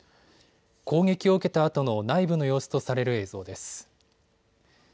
攻撃を受けたあとの内部の様子とされる映像です。